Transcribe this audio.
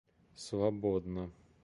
свободно